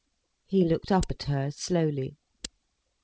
He looked up at her slowly.